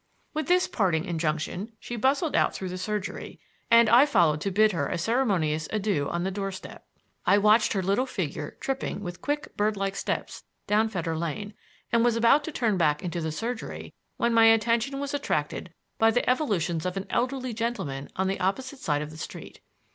With this parting injunction she bustled out through the surgery, and I followed to bid her a ceremonious adieu on the doorstep. I watched her little figure tripping with quick, bird like steps down Fetter Lane, and was about to turn back into the surgery when my attention was attracted by the evolutions of an elderly gentleman on the opposite side of the street.